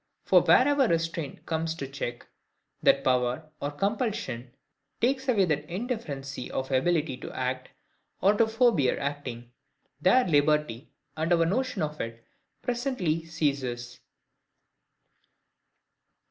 For wherever restraint comes to check that power, or compulsion takes away that indifferency of ability to act, or to forbear acting, there liberty, and our notion of it, presently ceases.